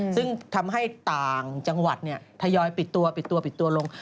ซึ่งทำให้ต่างจังหวัดทยอยปิดตัวปิดตัวปิดตัวลง